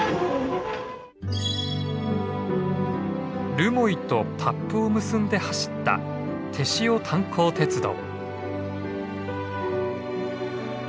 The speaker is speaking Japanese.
留萌と達布を結んで走った天塩炭礦鉄道。